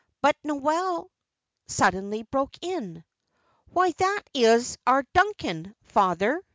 But Noel suddenly broke in. "Why, that is our Duncan, father!"